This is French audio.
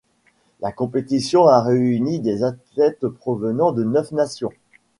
La compétition a réuni des athlètes provenant de neuf nations.